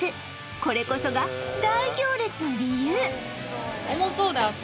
これこそが大行列の理由えっ